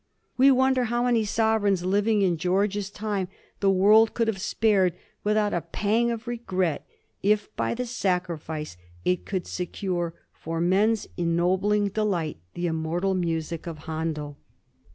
We won* der how many sovereigns living in George's time the world could have spared without a pang of regret if by the sacrifice it could secure for men's ennobling delight the immortal music of Handel.